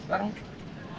banyak orang muda